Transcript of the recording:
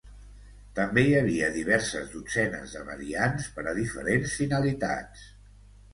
També hi havia diverses dotzenes de variants, per a diferents finalitats.